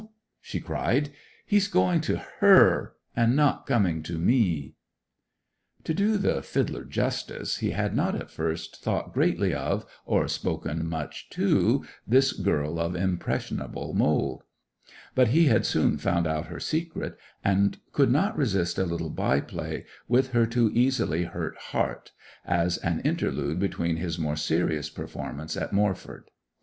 she cried. 'He's going to her, and not coming to me!' To do the fiddler justice he had not at first thought greatly of, or spoken much to, this girl of impressionable mould. But he had soon found out her secret, and could not resist a little by play with her too easily hurt heart, as an interlude between his more serious performances at Moreford.